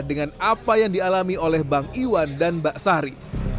dengan apa yang dialami oleh bang iwan dan mbak sari